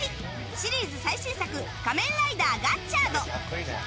シリーズ最新作「仮面ライダーガッチャード」。